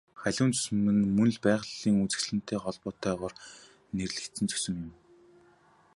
Халиун зүсэм нь мөн л байгалийн үзэгдэлтэй холбоотойгоор нэрлэгдсэн зүсэм юм.